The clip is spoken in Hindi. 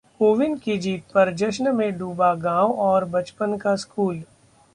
कोविंद की जीत पर जश्न में डूबा गांव और बचपन का स्कूल